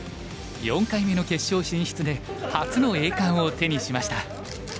４回目の決勝進出で初の栄冠を手にしました。